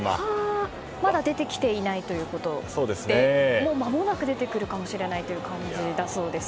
まだ出てきていないということでまもなく出てくるかもしれないという感じだそうです。